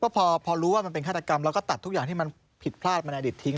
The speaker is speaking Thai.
พอรู้ว่ามันเป็นฆาตกรรมเราก็ตัดทุกอย่างที่มันผิดพลาดมาในอดีตทิ้ง